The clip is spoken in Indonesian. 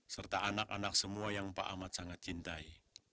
serta anak anak semua yang pak amat sangat cintai